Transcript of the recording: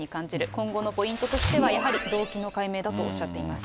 今後のポイントとしては、やはり動機の解明だとおっしゃっています。